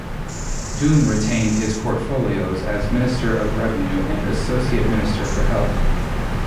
Dunne retained his portfolios as Minister of Revenue and Associate Minister for Health.